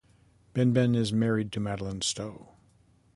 Benben is married to Madeleine Stowe.